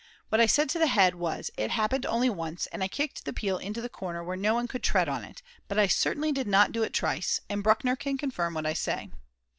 What I said to the head was: "It happened only once, and I kicked the peel into the corner where no one could tread on it, but I certainly did not do it twice, and Bruckner can confirm what I say."